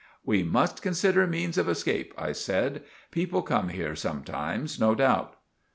"We must consider meens of eskape," I said. "People come here sometimes, no doubt.